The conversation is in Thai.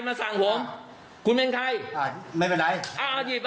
ไม่เป็นไร